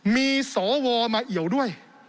มีสวมาเอี่ยวด้วย